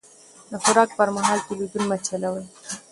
د خوراک پر مهال تلويزيون مه چلوئ.